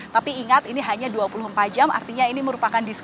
tapi ingat ini hanya dua puluh empat jam artinya ini merupakan diskon